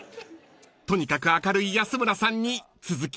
［とにかく明るい安村さんに続きますか？］